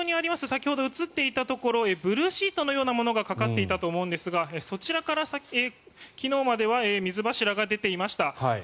先ほど映っていたところブルーシートのようなものがかかっていたと思うんですがそちらから昨日までは水柱が出ていました。